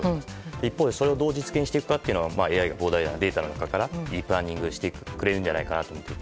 一方で、それをどう実現していくかというのはＡＩが膨大なデータの中からディープラーニングしてくれると思っていて。